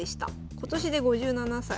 今年で５７歳。